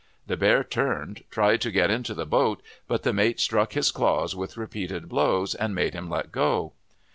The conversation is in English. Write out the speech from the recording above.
The bear turned, tried to get into the boat, but the mate struck his claws with repeated blows, and made him let go.